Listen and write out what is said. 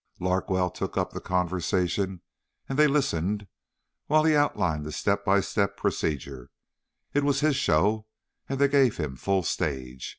Larkwell took up the conversation and they listened while he outlined the step by step procedure. It was his show and they gave him full stage.